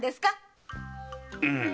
うん。